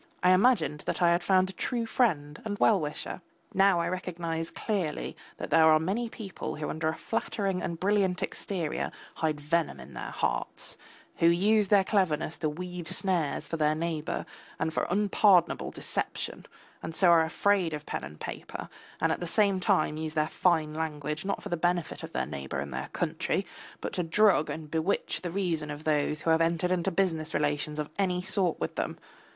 I imagined that I had found a true friend and well wisher. Now I recognise clearly that there are many people who under a flattering and brilliant exterior hide venom in their hearts, who use their cleverness to weave snares for their neighbour and for unpardonable deception, and so are afraid of pen and paper, and at the same time use their fine language not for the benefit of their neighbour and their country, but to drug and bewitch the reason of those who have entered into business relations of any sort with them.